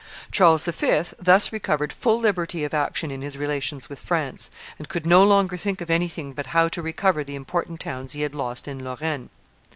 Charles V. thus recovered full liberty of action in his relations with France, and could no longer think of anything but how to recover the important towns he had lost in Lorraine.